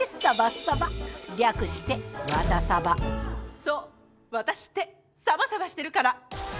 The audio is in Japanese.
そうワタシってサバサバしてるから！